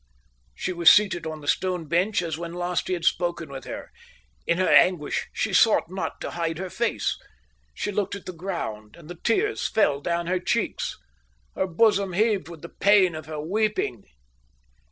She was seated on the stone bench as when last he had spoken with her. In her anguish she sought not to hide her face. She looked at the ground, and the tears fell down her cheeks. Her bosom heaved with the pain of her weeping.